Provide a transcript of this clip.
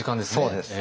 そうです。